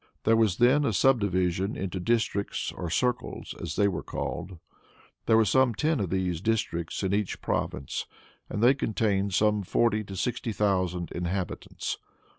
There was then a subdivision into districts or circles, as they were called. There were some ten of these districts in each province, and they contained from forty to sixty thousand inhabitants.